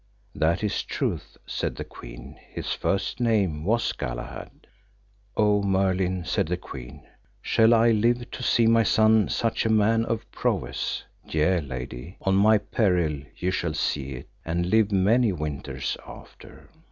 That is truth, said the queen, his first name was Galahad. O Merlin, said the queen, shall I live to see my son such a man of prowess? Yea, lady, on my peril ye shall see it, and live many winters after.